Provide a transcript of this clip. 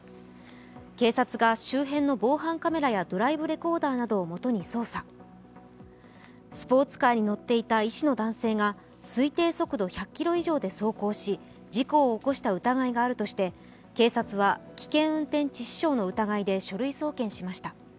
警察が周辺の防犯カメラやドライブレコーダーを元に捜査スポーツカーに乗っていた医師の男性が推定速度１００キロ以上で走行し事故を起こした疑いがあるとして警察は危険運転致死傷の疑いで書類送検しました。